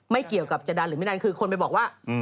ไม่เกี่ยวกับจะดันหรือไม่ดันคือคนไปบอกว่า